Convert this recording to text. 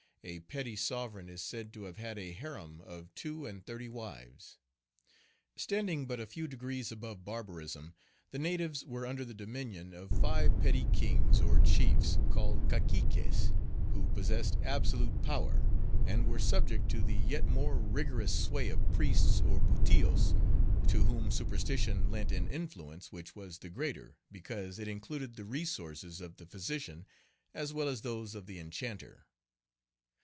A petty sovereign is said to have had a harem of two and thirty wives. Standing but a few degrees above barbarism, the natives were under the dominion of five petty kings or chiefs, called Caciques, who possessed absolute power; and were subject to the yet more rigorous sway of priests or Butios, to whom superstition lent an influence which was the greater because it included the resources of the physician as well as those of the enchanter.